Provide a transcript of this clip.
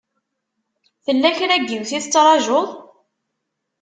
Tella kra n yiwet i tettṛajuḍ?